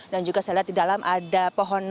dan juga saya lihat di dalam ada pohon natal